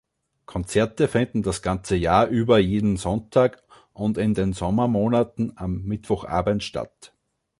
Konzerte finden das ganze Jahr über jeden Sonntag und in den Sommermonaten am Mittwochabend statt.